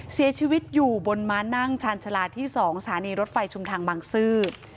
เสียชีวิตอยู่บนม้านั่งชาญชาลาที่๒สถานีรถไฟชุมทางบังซื้อ